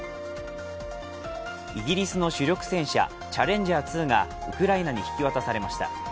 イギリスの主力戦車チャレンジャー２がウクライナに引き渡されました。